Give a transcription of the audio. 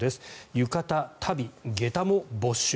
浴衣、足袋、下駄も没収。